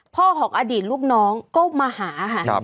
ของอดีตลูกน้องก็มาหาค่ะ